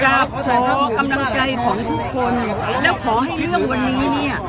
ขอกำลังใจของทุกคนแล้วขอให้เรื่องวันนี้เนี่ย